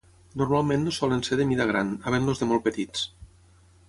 Normalment no solen ser de mida gran, havent-los de molt petits.